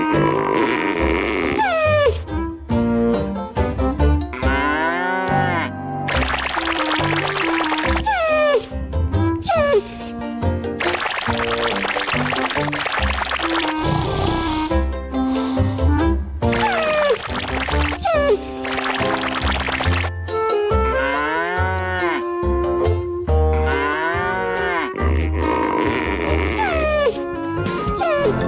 ที่ติดตามตอนที่๗ฐ